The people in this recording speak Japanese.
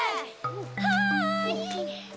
はい！